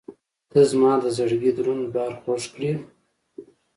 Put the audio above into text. • ته زما د زړګي دروند بار خوږ کړې.